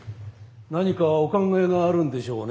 何かお考えがあるんでしょうね